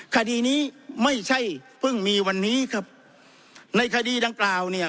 คดีนี้ไม่ใช่เพิ่งมีวันนี้ครับในคดีดังกล่าวเนี่ย